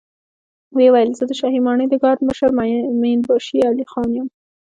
ويې ويل: زه د شاهي ماڼۍ د ګارد مشر مين باشي علی خان يم.